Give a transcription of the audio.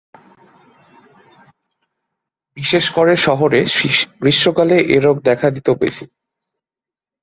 বিশেষ করে শহরে গ্রীষ্মকালে এ রোগ দেখা দিতো বেশি।